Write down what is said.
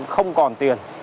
không còn tiền